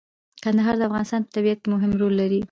کندهار د افغانستان په طبیعت کې مهم رول لري.